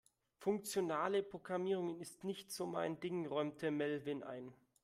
Funktionale Programmierung ist nicht so mein Ding, räumte Melvin ein.